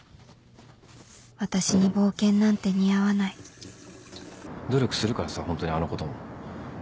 私に冒険なんて似合わない努力するからさホントにあのことも。